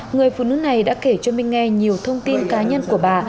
người phụ nữ này đã kể cho minh nghe nhiều thông tin cá nhân của bà